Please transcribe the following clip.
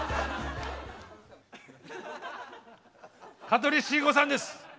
香取慎吾さんです。